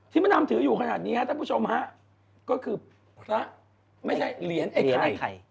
มดำถืออยู่ขนาดนี้ฮะท่านผู้ชมฮะก็คือพระไม่ใช่เหรียญไอ้ไข่